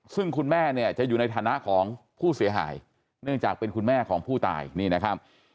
ซึ่งคุณแม่เนี่ยจะอยู่ในฐานะของผู้เสียหายเนื่องจากเป็นคุณแม่ของผู้ตายนี่นะครับ